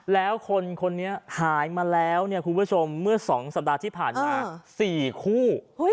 แล้วคนคนนี้หายมาแล้วเนี่ยคุณผู้ชมเมื่อ๒สัปดาห์ที่ผ่านมา๔คู่